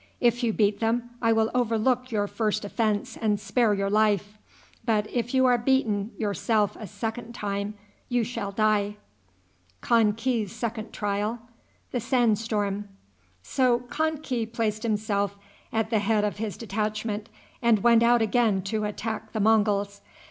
If you beat them, I will overlook your first offense and spare your life; but if you are beaten yourself a second time, you shall die." So Kan ki placed himself at the head of his detachment, and went out again to attack the Monguls.